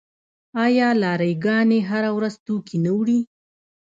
آیا لاری ګانې هره ورځ توکي نه وړي؟